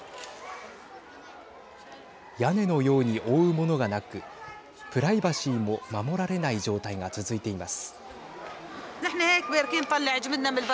屋根のように覆うものがなくプライバシーも守られない状態が続いています。